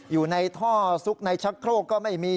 อยู่ในท่อซุกในชักโครกก็ไม่มี